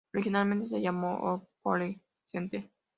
Originalmente se llamó "Ohio College Library Center".